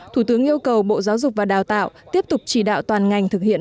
thủ tướng yêu cầu bộ giáo dục và đào tạo tiếp tục chỉ đạo toàn ngành thực hiện